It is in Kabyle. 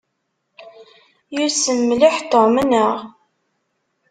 Yussem mliḥ Tom, anaɣ?